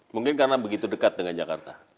mungkin karena begitu dekat dengan jakarta